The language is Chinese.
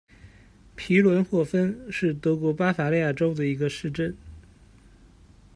皮伦霍芬是德国巴伐利亚州的一个市镇。